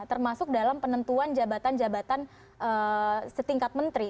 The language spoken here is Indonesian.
termasuk dalam penentuan jabatan jabatan setingkat menteri